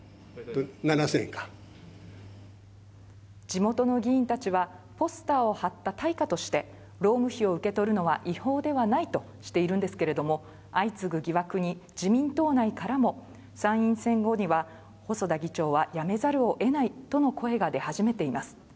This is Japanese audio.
地元の議員たちはポスターを貼った対価として労務費を受け取るのは違法ではないとしているのですけれども、相次ぎ疑惑に、自民党内からも参院選後には細田議長はやめざるをえないとの声が出始めています。